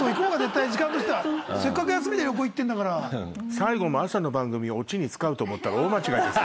最後も朝の番組をオチに使うと思ったら大間違いですよ。